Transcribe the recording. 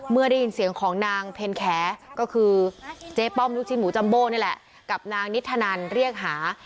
เมื่อได้ยินเสียงของนางเพ็ญแขก็คือเจ๊ป้อมลูกชิ้นหมูจัมโบ้นี่แหละกับนางนิทธนันเรียกหา